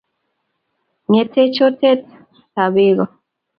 ngetech otet tab beko